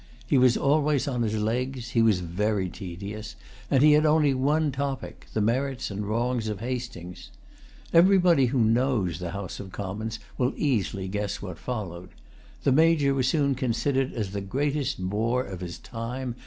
He was always on his legs; he was very tedious; and he had only one topic, the merits and wrongs of Hastings. Everybody who knows the House of Commons will easily guess what followed. The Major was soon considered as the greatest bore of his time.